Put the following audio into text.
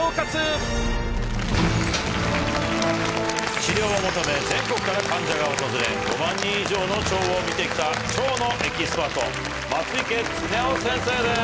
治療を求め全国から患者が訪れ５万人以上の腸を診てきた腸のエキスパート松生恒夫先生です。